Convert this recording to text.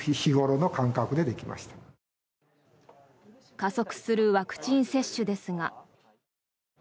加速するワクチン接種ですが。